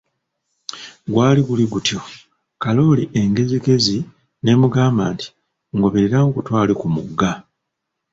Gwali guli gutyo, Kalooli engezigezi n'emugamba nti, ngoberera nkutwale ku mugga .